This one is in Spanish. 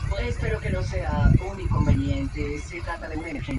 El tramo al sur de la localidad riojana de Vinchina está pavimentado.